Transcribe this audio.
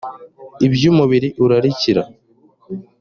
ibyo umubiri urarikira